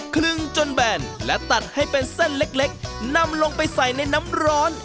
ครึ่งจนแบนและตัดให้เป็นเส้นเล็กนำลงไปใส่ในน้ำร้อน